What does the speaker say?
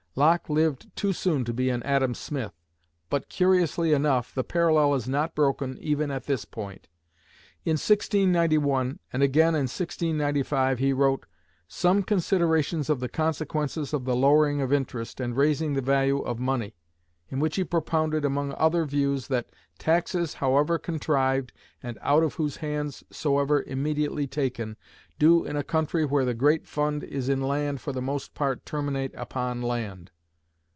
Locke lived too soon to be an Adam Smith; but, curiously enough, the parallel is not broken even at this point. In 1691 and again in 1695 he wrote, "Some considerations of the consequences of the lowering of interest, and raising the value of money," in which he propounded among other views, that, "taxes, however contrived, and out of whose hands soever immediately taken, do, in a country where the great fund is in land for the most part terminate upon land."